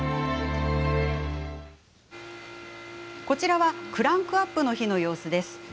こちらはクランクアップの日の様子です。